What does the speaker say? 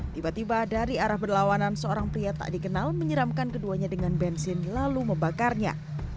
tiba tiba dari arah berlawanan seorang pria tak dikenal menyeramkan keduanya dengan bensin lalu membakarnya